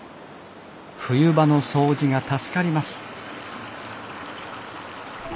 冬場の掃除が助かります